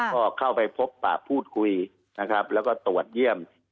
ก็เข้าไปพบปากพูดคุยนะครับแล้วก็ตรวจเยี่ยม